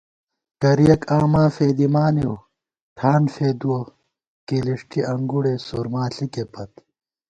کریَک آماں فېدِمانېؤ ٹھان فېدِوَہ کېلېݭٹی انگُڑے سُرمان ݪِکےپت